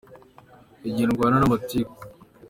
Igihe ndwana n’amatiku